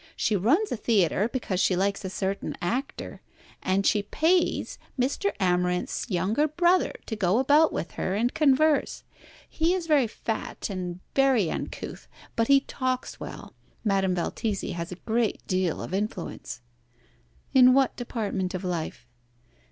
She runs a theatre, because she likes a certain actor, and she pays Mr. Amarinth's younger brother to go about with her and converse. He is very fat, and very uncouth, but he talks well. Madame Valtesi has a great deal of influence." "In what department of life?"